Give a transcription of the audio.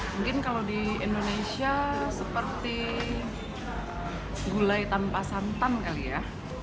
mungkin kalau di indonesia seperti gulai tanpa santan kali ya